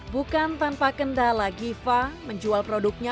bukan tanpa kendala giva menjual produknya